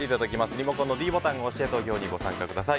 リモコンのｄボタンを押して投票にご参加ください。